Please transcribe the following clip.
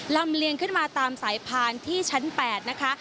เลียงขึ้นมาตามสายพานที่ชั้น๘นะคะ